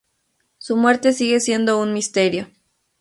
Su muerte sigue siendo un misterio.